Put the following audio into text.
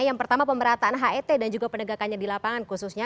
yang pertama pemerataan het dan juga penegakannya di lapangan khususnya